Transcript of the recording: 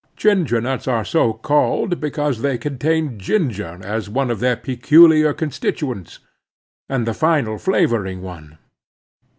Ginger nuts are so called because they contain ginger as one of their peculiar constituents, and the final flavoring one.